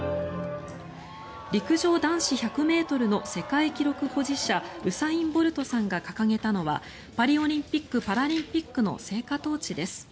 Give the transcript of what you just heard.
陸上男子１００ｍの世界記録保持者ウサイン・ボルトさんが掲げたのはパリオリンピック・パラリンピックの聖火トーチです。